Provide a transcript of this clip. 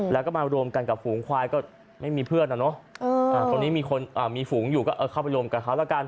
แล้วก็มารวมกันกับฝูงควายก็ไม่มีเพื่อนนะเนอะคนนี้มีคนมีฝูงอยู่ก็เข้าไปรวมกับเขาแล้วกัน